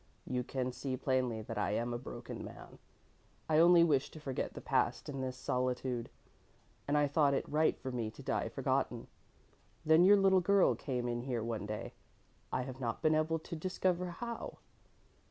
"You can see plainly that I am a broken man. I only wished to forget the past in this solitude, and I thought it right for me to die forgotten. Then your little girl came in here one day I have not been able to discover how."